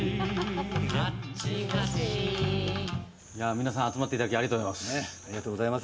皆さん、集まっていただきありがとうございます。